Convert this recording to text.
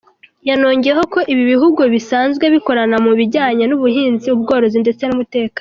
Yanongeyeho ko ibi bihugu bisanzwe bikorana mu bijyanye n’ubuhinzi, ubworozi ndetse n’umutekano.